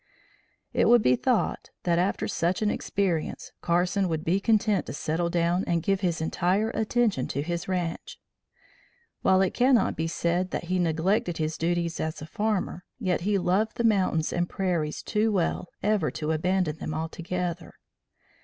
It would be thought that after such an experience, Carson would be content to settle down and give his entire attention to his ranche. While it cannot be said that he neglected his duties as a farmer, yet he loved the mountains and prairies too well ever to abandon them altogether.